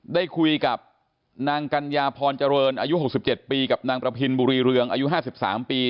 ได้คุยกับนางกัญญาพรเจริญอายุ๖๗ปีกับนางประพินบุรีเรืองอายุ๕๓ปี